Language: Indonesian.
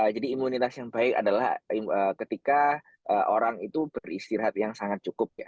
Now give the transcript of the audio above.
jadi imunitas yang baik adalah ketika orang itu beristirahat yang sangat cukup